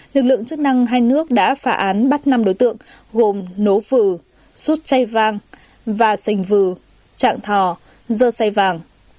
lực lượng chức năng hai nước đã phả án bắt năm đối tượng gồm nố vừ xuất chay vang và sành vừ trạng thò dơ say vàng